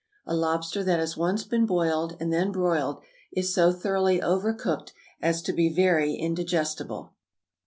A lobster that has once been boiled and then broiled is so thoroughly over cooked as to be very indigestible.